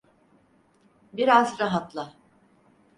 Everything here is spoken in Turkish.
Biraz rahatla.